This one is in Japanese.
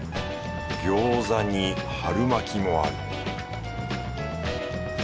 餃子に春巻もある